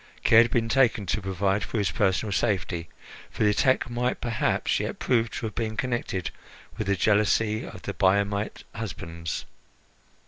Care had been taken to provide for his personal safety, for the attack might perhaps yet prove to have been connected with the jealousy of the Biamite husbands.